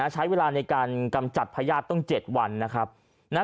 ใช้เวลาในการกำจัดพญาติต้อง๗วันนะครับ